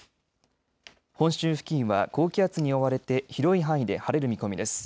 本州付近は高気圧に覆われて広い範囲で晴れる見込みです。